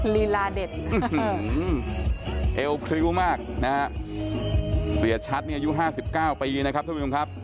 ลีลาเด็ดเอวคลิวมากนะฮะเสียชัดนี่อายุ๕๙ปีนะครับทุกผู้ชมครับ